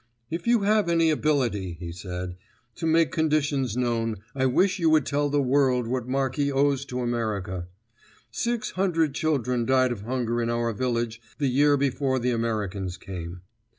"If you have any ability," he said, "to make conditions known, I wish you would tell the world what Marki owes to America. Six hundred children died of hunger in our village the year before the Americans came.